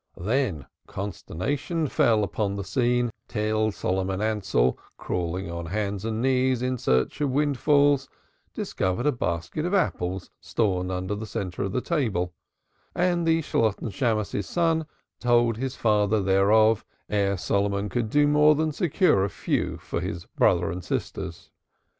Then consternation fell upon the scene till Solomon Ansell, crawling on hands and knees in search of windfalls, discovered a basket of apples stored under the centre of the table, and the Shalotten Shammos's son told his father thereof ere Solomon could do more than secure a few for his brother and sisters.